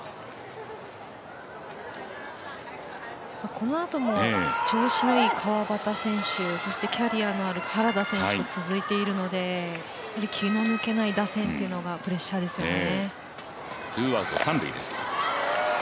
このあとも調子のいい川畑選手そしてキャリアのある原田選手と続いているので、気の抜けない打線というのがプレッシャーですよね。